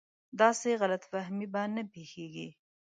داسې غلط فهمي به نه پېښېږي.